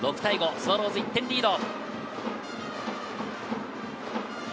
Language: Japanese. スワローズ１点リード。